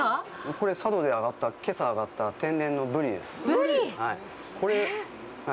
これ、佐渡で揚がった、けさ揚がった天然のブリです。